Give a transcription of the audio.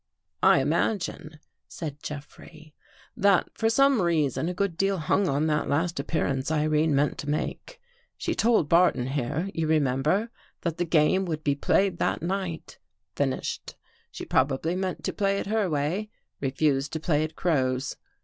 "" I imagine," said Jeffrey, " that for some reason, a good deal hung on that last appearance Irene meant to make. She told Barton, here, you remem ber, that the game would be played that night — finished. She probably meant to play it her way — refused to play it Crow's.